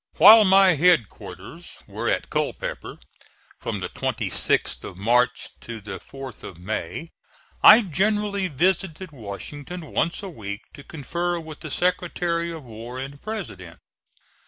While my headquarters were at Culpeper, from the 26th of March to the 4th of May, I generally visited Washington once a week to confer with the Secretary of War and President.